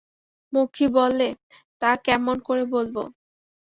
মক্ষী বললে, তা কেমন করে বলব!